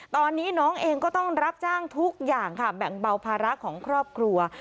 ตอนนี้น้องเองก็ต้องรับจ้างทุกอย่างค่ะแบ่งเบาภาระของครอบครัว